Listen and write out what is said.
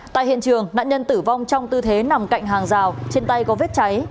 tại hiện trường nạn nhân tử vong trong tư thế nằm cạnh hàng rào trên tay có vết cháy